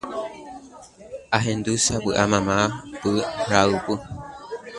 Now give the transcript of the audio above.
Ahendu sapy'a mamá py ryapu